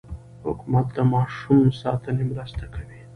حکومت د ماشوم ساتنې مرسته کوي.